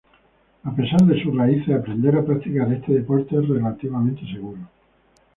A pesar de sus raíces, aprender a practicar este deporte es relativamente seguro.